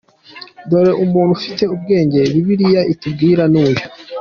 Dore umuntu ufite ubwenge bibiliya itubwira ni uyu:.